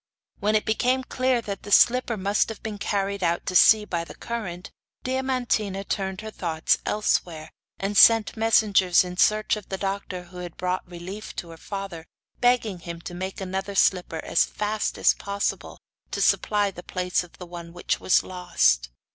When it became clear that the slipper must have been carried out to sea by the current, Diamantina turned her thoughts elsewhere, and sent messengers in search of the doctor who had brought relief to her father, begging him to make another slipper as fast as possible, to supply the place of the one which was lost.